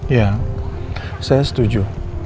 iya saya setuju